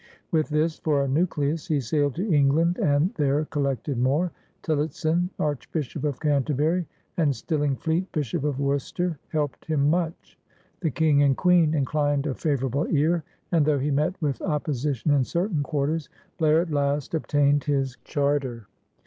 With this for a nucleus he sailed to England and there collected more. Tillotson, Archbishop of Canter bury, and Stillingfleet, Bishop of Worcester, helped him much. The King and Queen inclined a favor able ear, and, though he met with opposition in certain quarters, Blair at last obtained his char ter.